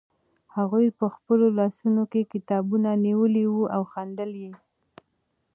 هغوی په خپلو لاسونو کې کتابونه نیولي وو او خندل یې.